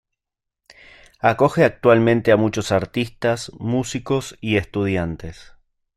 Acoge actualmente a muchos artistas, músicos y estudiantes.